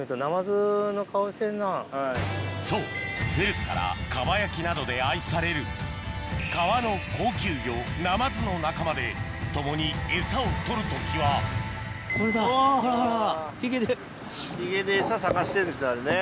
そう古くから蒲焼きなどで愛される川の高級魚ナマズの仲間で共にエサを取る時はこれだほらほらほら。